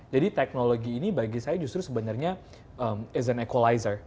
jadi teknologi ini bagi saya justru sebenarnya is an equalizer